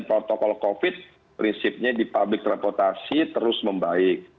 protokol covid prinsipnya di public transportasi terus membaik